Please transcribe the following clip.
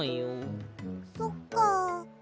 そっか。